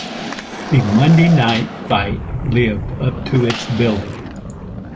The Monday night fight lived up to its billing.